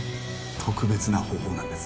特別な方法なんです